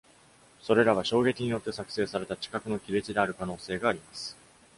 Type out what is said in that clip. それらは、衝撃によって作成された地殻の亀裂である可能性があります。